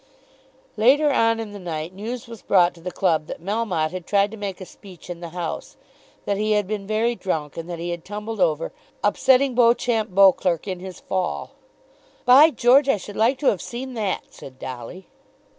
Later on in the night news was brought to the club that Melmotte had tried to make a speech in the House, that he had been very drunk, and that he had tumbled over, upsetting Beauchamp Beauclerk in his fall. "By George, I should like to have seen that!" said Dolly.